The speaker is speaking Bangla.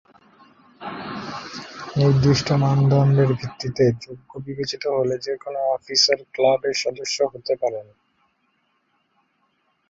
নির্দিষ্ট মানদন্ডের ভিত্তিতে যোগ্য বিবেচিত হলে যে কোনো অফিসার ক্লাবের সদস্য হতে পারেন।